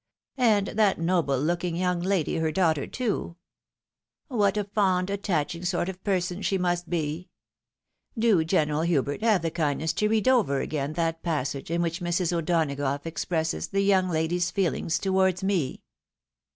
And that noble looking young lady her daughter, too ! What a fond, attaching sort of person she must be ! Do, Gene ral Hubert, have the kindness to read over again that passage in which Mrs. O'Donagough expresses the young lady's feeUngs towards me."